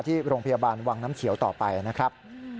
ที่โรงพยาบาลวังน้ำเขียวต่อไปนะครับ